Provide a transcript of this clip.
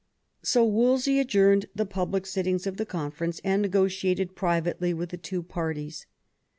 So Wol sey adjourned the public sittings of the conference, and negotiated privately with the two parties.